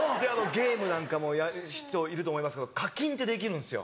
ゲームなんかもやる人いると思いますけど課金ってできるんですよ。